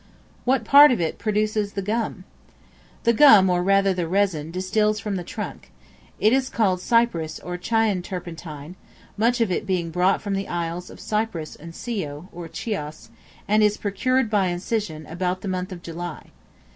What part of it produces the Gum? The gum, or rather the resin, distils from the trunk. It is called Cyprus or Chian Turpentine, much of it being brought from the isles of Cyprus and Scio, or Chios, and is procured, by incision, about the month of July.